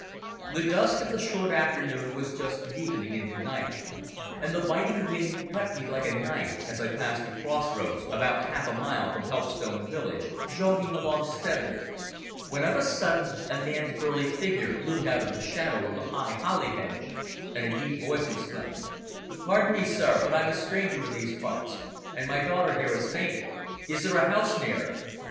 The dusk of the short afternoon was just deepening into night, and the biting wind cut me like a knife as I passed the crossroads about half a mile from Helpstone village, jogging along steadily, when of a sudden a man's burly figure loomed out of the shadow of the high, holly hedge, and a deep voice exclaimed "Pardon me, sir, but I'm a stranger in these parts, and my daughter here has fainted. Is there a house near?"